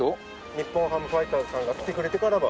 日本ハムファイターズさんが来てくれてからは。